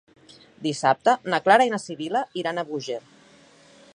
Dissabte na Clara i na Sibil·la iran a Búger.